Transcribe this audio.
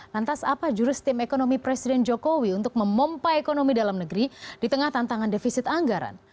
lantas apa jurus tim ekonomi presiden jokowi untuk memompa ekonomi dalam negeri di tengah tantangan defisit anggaran